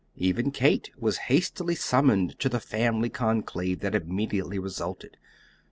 Even Kate was hastily summoned to the family conclave that immediately resulted.